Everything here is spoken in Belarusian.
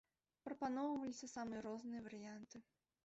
Прапаноўваліся самыя розныя варыянты.